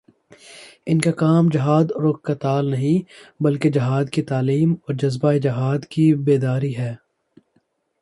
ان کا کام جہاد و قتال نہیں، بلکہ جہادکی تعلیم اور جذبۂ جہاد کی بیداری ہے